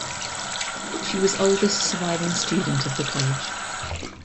She was oldest surviving student of the college.